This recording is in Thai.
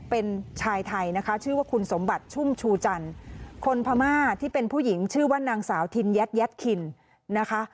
เป็นชายไทยนะคะชื่อว่าคุณสมบัติชุ่มชูจันทร์คนพม่าที่เป็นผู้หญิงชื่อว่านางสาวทินยัดยัดคินนะคะ